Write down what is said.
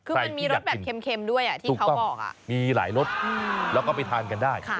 คือมันมีรสแบบเค็มด้วยที่เขาบอกมีหลายรสแล้วก็ไปทานกันได้